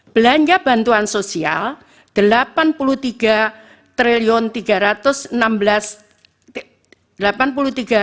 belanja bantuan sosial rp delapan puluh tiga tiga ratus enam belas